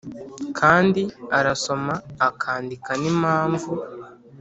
kandi arasoma, akandika, n'impamvu,